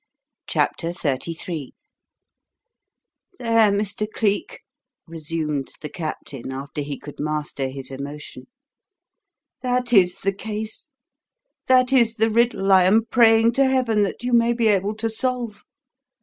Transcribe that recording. CHAPTER XXXIII "There, Mr. Cleek," resumed the Captain, after he could master his emotion. "That is the case that is the riddle I am praying to Heaven that you may be able to solve.